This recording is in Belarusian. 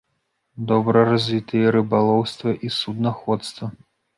Добра развітыя рыбалоўства і суднаходства.